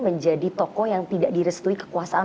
menjadi tokoh yang tidak direstui kekuasaan